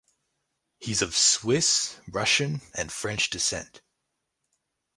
He is of Swiss, Russian and French descent.